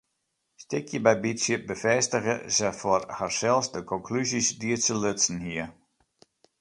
Stikje by bytsje befêstige se foar harsels de konklúzjes dy't se lutsen hie.